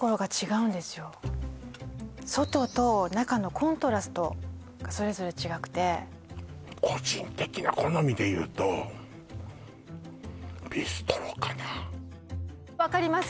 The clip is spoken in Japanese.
外と中のコントラストがそれぞれ違くて個人的な好みでいうとビストロかな分かります